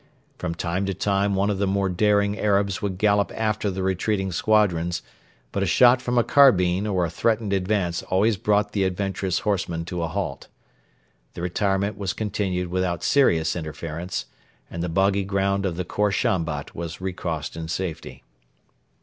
From time to time one of the more daring Arabs would gallop after the retreating squadrons, but a shot from a carbine or a threatened advance always brought the adventurous horseman to a halt. The retirement was continued without serious interference, and the boggy ground of the Khor Shambat was recrossed in safety.